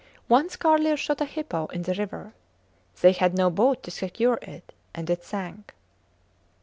Once Carlier shot a hippo in the river. They had no boat to secure it, and it sank.